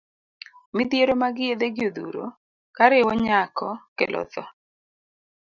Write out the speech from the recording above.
Midhiero mag yedhe gi odhuro kariwo nyako kelo tho.